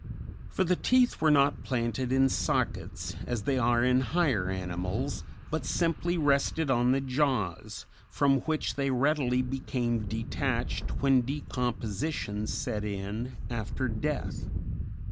For the teeth were not planted in sockets, as they are in higher animals, but simply rested on the jaws, from which they readily became detached when decomposition set in after death.